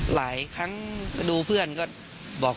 หลายครั้งดูเพื่อนก็บอก